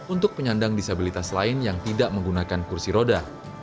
untuk penyandang disabilitas lain yang tidak menggunakan kursi roda